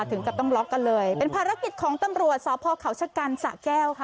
ถึงกับต้องกันเลยเป็นภารกิจของตำรวจสอบพนศ์เขาจะการสระแก้วค่ะ